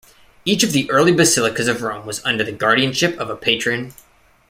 Each of the early basilicas of Rome was under the guardianship of a patron.